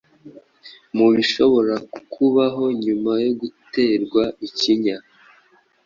mu bishobora kukubaho nyuma yo guterwa ikinya